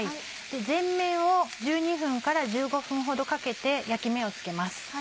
全面を１２分から１５分ほどかけて焼き目をつけます。